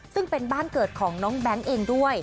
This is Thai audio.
ซึ่งเป็นบ้านเกิดของน้องแบงค์เองด้วย